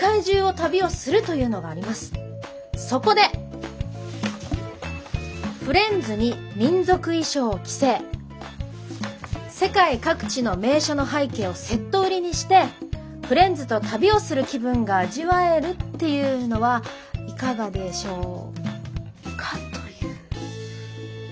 そこでフレンズに民族衣装を着せ世界各地の名所の背景をセット売りにしてフレンズと旅をする気分が味わえるっていうのはいかがでしょうかという。